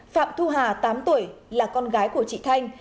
phạm thu hà tám tuổi là con gái của chị thanh